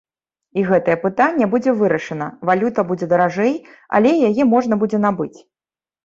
І гэтае пытанне будзе вырашана, валюта будзе даражэй, але яе можна будзе набыць.